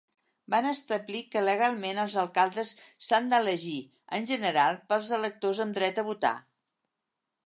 Va establir que legalment els alcaldes s'han d'elegir, en general, pels electors amb dreta a votar.